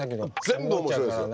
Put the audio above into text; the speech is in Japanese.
全部面白いですよ。